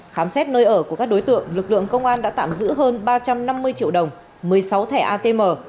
khám xét nơi ở của các đối tượng lực lượng công an đã tạm giữ hơn ba trăm năm mươi triệu đồng một mươi sáu thẻ atm